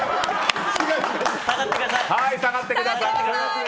下がってください！